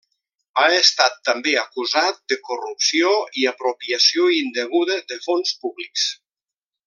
Ha estat també acusat de corrupció i apropiació indeguda de fons públics.